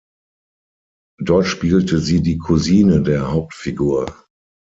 Dort spielte sie die Cousine der Hauptfigur.